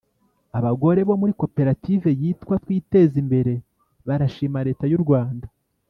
Abagore bo muri koperative yitwa twitezimbere barashima Leta y’Urwanda